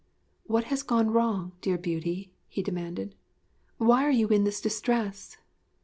'What has gone wrong, dear Beauty?' he demanded. 'Why are you in this distress?...